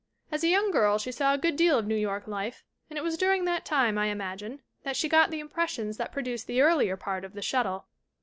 As a young girl she saw a good deal of New York life and it was during that time, I imagine, that she got the impressions that produced the earlier part of The Shuttle.